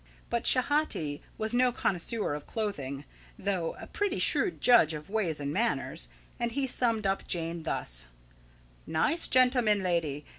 But Schehati was no connoisseur of clothing, though a pretty shrewd judge of ways and manners, and he summed up Jane thus: "Nice gentleman lady!